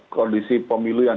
kondisi pemilu yang